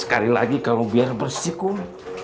sekali lagi kamu biar bersih kum